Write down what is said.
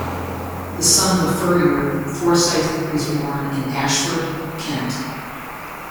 The son of a furrier, Forsyth was born in Ashford, Kent.